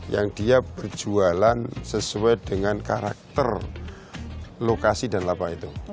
yang dia berjualan sesuai dengan karakter lokasi dan lapak itu